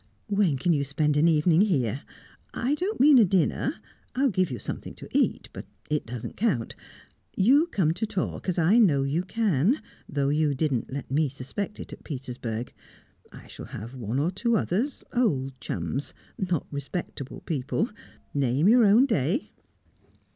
"When can you spend an evening here? I don't mean a dinner. I'll give you something to eat, but it doesn't count; you come to talk, as I know you can, though you didn't let me suspect it at Petersburg. I shall have one or two others, old chums, not respectable people. Name your own day."